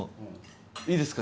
いいですか？